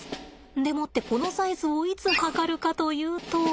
でもってこのサイズをいつ測るかというと。